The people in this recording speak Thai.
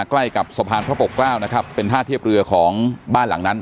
ใกล้กับสะพานพระปกเกล้านะครับเป็นท่าเทียบเรือของบ้านหลังนั้น